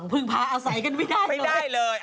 พี่ปุ้ยลูกโตแล้ว